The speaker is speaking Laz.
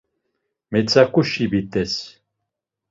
Metzaǩuşi ibit̆es.